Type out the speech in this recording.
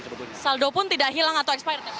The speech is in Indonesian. saldo pun tidak hilang atau expired